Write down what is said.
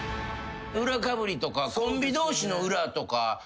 裏かぶりとかコンビ同士の裏とか。